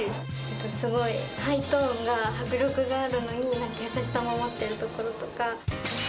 すごいハイトーンが迫力があるのに、なんか優しさも持ってるところとか。